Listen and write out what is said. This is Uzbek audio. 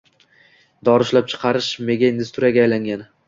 dori ishlab-chiqarish mega-industriyaga aylangani.